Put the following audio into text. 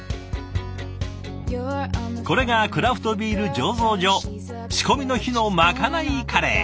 これがクラフトビール醸造所仕込みの日のまかないカレー。